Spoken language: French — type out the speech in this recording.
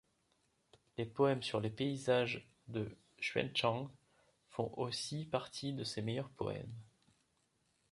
Les poèmes sur les paysages de Xuancheng font aussi partie de ses meilleurs poèmes.